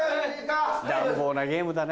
乱暴なゲームだね。